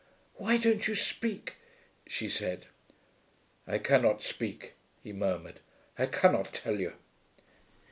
"Why don't you speak?" she said. "I cannot speak," he murmured. "I cannot tell you."